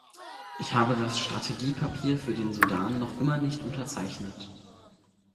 Ich habe das Strategiepapier für den Sudan noch immer nicht unterzeichnet.